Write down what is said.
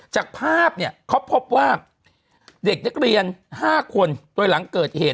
จากภาพเนี่ยเขาพบว่าเด็กนักเรียน๕คนโดยหลังเกิดเหตุ